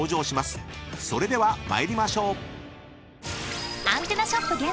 ［それでは参りましょう］